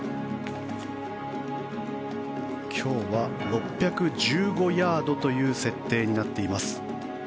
今日は６１５ヤードという設定になっています。